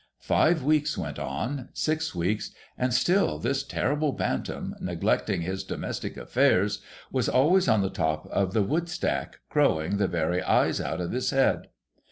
Five weeks went on, — six weeks, — and still this terrible Bantam, neglecting his domestic affairs, was always on the top of the wood stack, crowdng the very eyes out of his head.